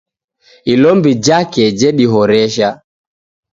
Ilombi jake jedihoresha